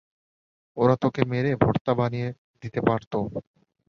ওরা তোকে মেরে ভর্তা বানিয়ে দিতে পারত।